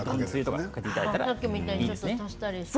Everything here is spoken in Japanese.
さっきみたいに衣を上から足したりして。